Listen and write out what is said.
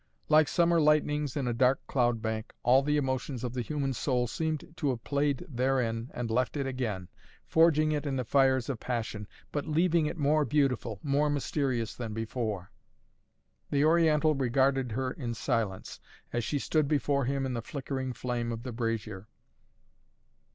Like summer lightnings in a dark cloudbank, all the emotions of the human soul seemed to have played therein and left it again, forging it in the fires of passion, but leaving it more beautiful, more mysterious than before. The Oriental regarded her in silence, as she stood before him in the flickering flame of the brazier.